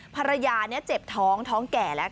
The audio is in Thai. ภรรยาเจ็บท้องท้องแก่แล้ว